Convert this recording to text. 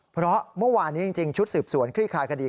เพราะเมื่อวานนี้จริงชุดสืบสวนคลี่คลายคดี